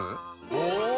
お！